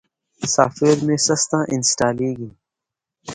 سافټویر مې سسته انستالېږي.